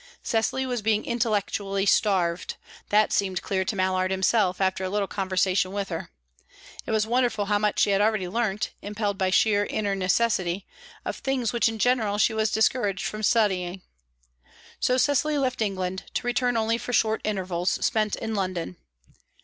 Cecily was being intellectually starved; that seemed clear to Mallard himself after a little conversation with her. It was wonderful how much she had already learnt, impelled by sheer inner necessity, of things which in general she was discouraged from studying. So Cecily left England, to return only for short intervals, spent in London.